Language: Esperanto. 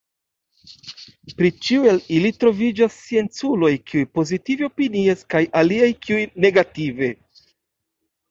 Pri ĉiu el ili troviĝas scienculoj kiuj pozitive opinias kaj aliaj kiuj negative.